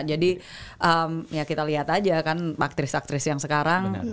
jadi ya kita lihat aja kan aktris aktris yang sekarang